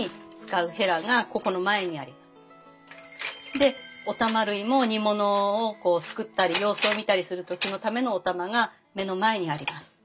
でおたま類も煮物をこうすくったり様子を見たりする時のためのおたまが目の前にあります。